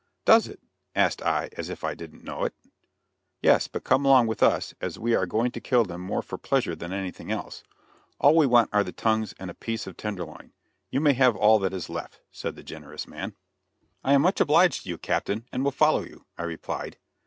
"Does it?" asked I as if I didn't know it. "Yes; but come along with us as we are going to kill them more for pleasure than anything else. All we want are the tongues and a piece of tender loin, and you may have all that is left," said the generous man. "I am much obliged to you, Captain, and will follow you," I replied.